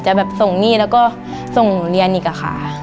แบบส่งหนี้แล้วก็ส่งหนูเรียนอีกค่ะ